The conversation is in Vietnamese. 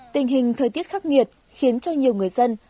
tình hình thời tiết khắc nghiệt khiến cho nhiều người dân